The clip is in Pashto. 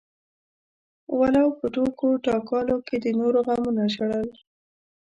ولو په ټوکو ټکالو کې د نورو غمونه شړل.